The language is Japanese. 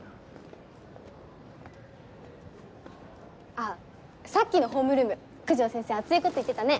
あぁさっきのホームルーム九条先生熱いこと言ってたね。